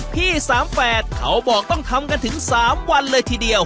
พี่๓๘เขาบอกต้องทำกันถึง๓วันเลยทีเดียว